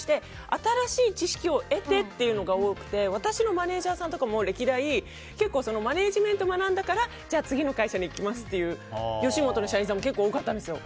新しい知識を得てっていうのが多くて私のマネジャーさんとかも歴代、マネージメントを学んだから、じゃあ次の会社に行きますという吉本の社員さんも結構多かったんですよ。